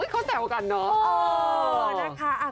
เขาแซวกันเนอะ